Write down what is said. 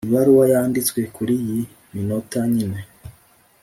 ibaruwa yanditswe kuriyi minota nyine.